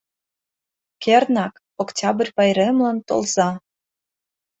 Кернак, Октябрь пайремлан толза.